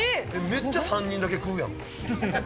めっちゃ３人だけ食うやん。